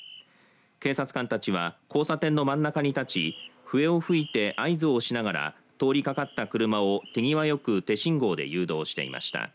警察官たちは交差点の真ん中に立ち笛を吹いて合図をしながら通りかかった車を手際よく手信号で誘導していました。